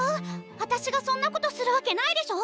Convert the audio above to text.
あたしがそんなことするわけないでしょ？